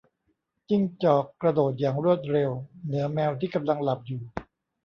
จิ้งจอก กระโดดอย่างรวดเร็ว เหนือแมวที่กำลังหลับอยู่